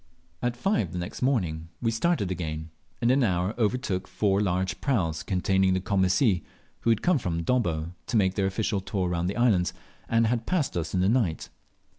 At five the next morning we started again, and in an hour overtook four large praus containing the "Commissie," who had come from Dobbo to make their official tour round the islands, and had passed us in the eight.